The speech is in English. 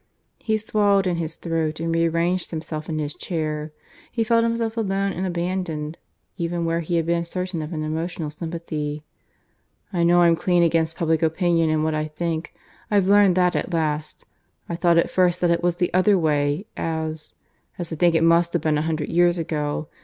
He swallowed in his throat and rearranged himself in his chair. He felt himself alone and abandoned, even where he had been certain of an emotional sympathy. "I know I'm clean against public opinion in what I think. I've learnt that at last. I thought at first that it was the other way, as ... as I think it must have been a hundred years ago.